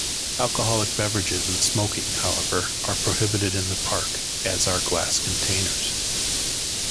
Alcoholic beverages and smoking, however, are prohibited in the park, as are glass containers.